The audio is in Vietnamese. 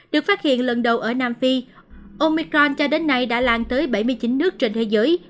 được phát hiện lần đầu ở nam phi omicron cho đến nay đã lan tới bảy mươi chín nước trên thế giới